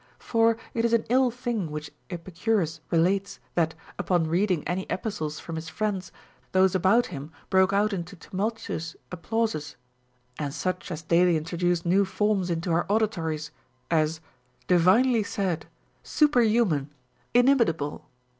For it is an ill thing Avhich Epicurus relates, that, upon reading any epistles from his friends, those about him broke out into tumultuous applauses ; and such as daily introduce ηεΛν forms into our auditories, as Divinely said ' Superhuman ! Inimitable